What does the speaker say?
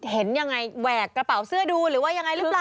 เห็นยังไงแหวกกระเป๋าเสื้อดูหรือว่ายังไงหรือเปล่า